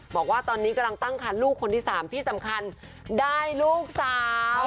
บอกว่าตอนนี้กำลังตั้งคันลูกคนที่๓ที่สำคัญได้ลูกสาว